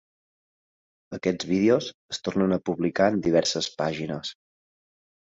Aquests vídeos es tornen a publicar en diverses pàgines.